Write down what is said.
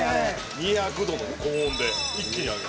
２００度の高温で一気に揚げる。